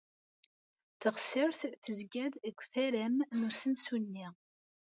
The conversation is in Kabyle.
Taɣsert tezga-d deg utaram n usensu-nni.